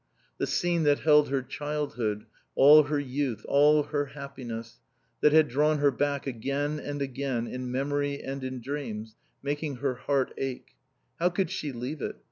The scene that held her childhood, all her youth, all her happiness; that had drawn her back, again and again, in memory and in dreams, making her heart ache. How could she leave it?